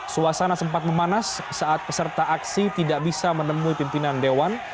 suasana sempat memanas saat peserta aksi tidak bisa menemui pimpinan dewan